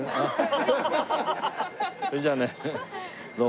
それじゃあねどうも。